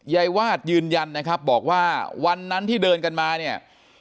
ยายวาดยืนยันนะครับบอกว่าวันนั้นที่เดินกันมาเนี่ย